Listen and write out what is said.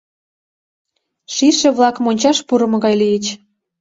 Шийше-влак мончаш пурымо гай лийыч.